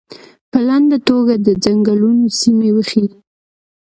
په لنډه توګه دې د څنګلونو سیمې وښیي.